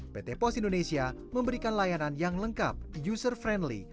pt pos indonesia memberikan layanan yang lengkap user friendly